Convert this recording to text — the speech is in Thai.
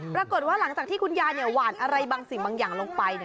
ปรากฏว่าหลังจากที่คุณยายหวานอะไรบางสิ่งบางอย่างลงไป